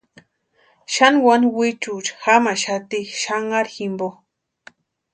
Xani wani wichucha jamaxati xanharu jimpo.